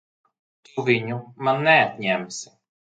Tu viņu man neatņemsi!